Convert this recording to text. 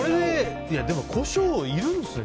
でも、コショウいるんですね。